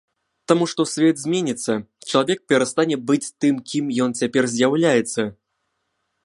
Таму што свет зменіцца, чалавек перастане быць тым кім ён цяпер з'яўляецца.